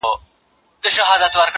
په يو تن كي سل سرونه سل غليمه-